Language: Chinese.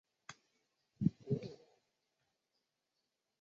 皇穆氏暗光鱼为辐鳍鱼纲巨口鱼目褶胸鱼科的其中一种。